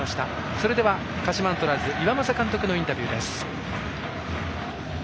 それでは鹿島アントラーズ岩政監督のインタビューです。